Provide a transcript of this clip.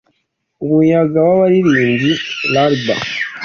Umuyaga wabaririmbye lullaby